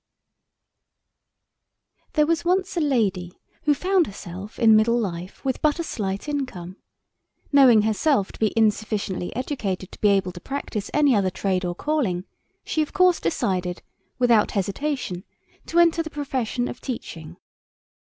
_ THERE was once a lady who found herself in middle life with but a slight income. Knowing herself to be insufficiently educated to be able to practise any other trade or calling, she of course decided, without hesitation, to enter the profession of teaching.